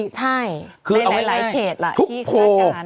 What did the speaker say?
ในหลายเขตล่ะที่ศาลการณ์